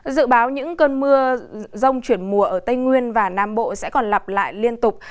dự báo những cơn mưa rông chuyển mùa ở tây nguyên và nam bộ sẽ còn lặp lại liên tục